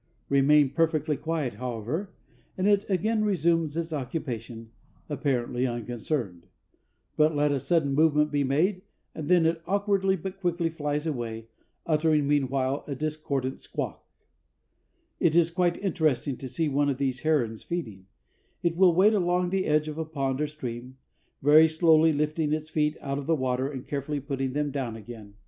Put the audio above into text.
Remain perfectly quiet, however, and it again resumes its occupation, apparently unconcerned; but let a sudden movement be made, and then it awkwardly but quickly flies away, uttering meanwhile a discordant squawk. [Illustration: GREEN HERON. (Ardea virescens.) About ½ Life size. FROM COL. CHI. ACAD. SCIENCES.] It is quite interesting to see one of these herons feeding. It will wade along the edge of a pond or stream, very slowly lifting its feet out of the water and carefully putting them down again.